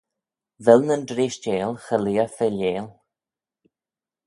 Vel nyn dreishteil cho leah failleil?